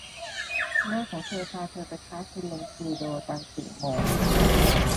แม่ของเธอพาเธอไปคลาสเรียนจูโดตอนสี่โมง